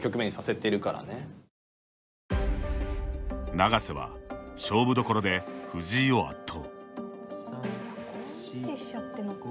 永瀬は勝負どころで藤井を圧倒。